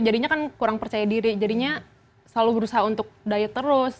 jadinya kan kurang percaya diri jadinya selalu berusaha untuk diet terus